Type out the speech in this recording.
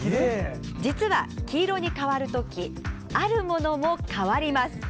実は黄色に変わる時あるものも変わります。